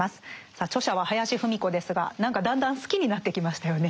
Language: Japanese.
さあ著者は林芙美子ですが何かだんだん好きになってきましたよね。